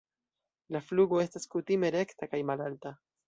La flugo estas kutime rekta kaj malalta.